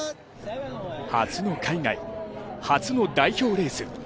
初の海外、初の代表レース。